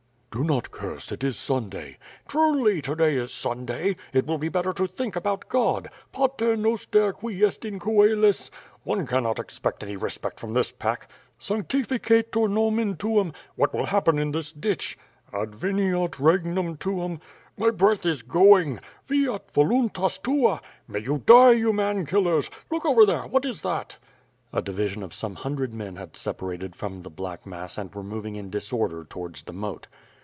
"Do not curse, it is Sunday." "Truly, to day is Sunday. It will be better to think about God. Pater Noster, qui est in coelis. ... One cannot ex pect any respect from this pack. ... Sanctificetur nomen tuum. ... What will happen in this ditch! Adveniat regnum tuum. ... My breath is going. ... Fiat voluntas tua. ... May you die, you man killers. Look over there, what is that?" A division of some hundred men had separated from the black mass and were moving in disorder towards the moat.